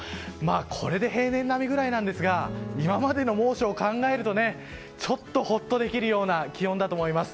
これで平年並みぐらいなんですが今までの猛暑を考えるとちょっとホッとできるような気温だと思います。